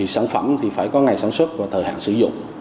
sản phẩm thì phải có ngày sản xuất và thời hạn sử dụng